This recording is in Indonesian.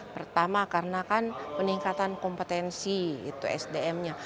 pertama karena kan peningkatan kompetensi itu sdm nya